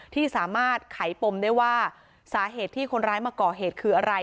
ที่สามารถไขปมได้ว่าสาเหตุที่คนร้ายมาก่อเหตุคืออะไร